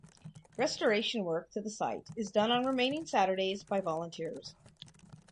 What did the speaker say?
Restoration work to the site is done on remaining Saturdays by volunteers.